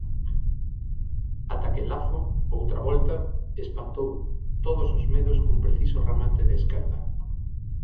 Ata que Lazo, outra volta, espantou todos os medos cun preciso remate de esquerda.